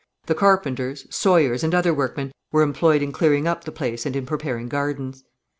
The carpenters, sawyers, and other workmen were employed in clearing up the place and in preparing gardens.